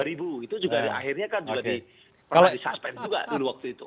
itu juga akhirnya kan juga di suspend juga dulu waktu itu